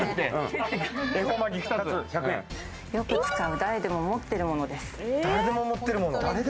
よく使う、誰でも持っているものです。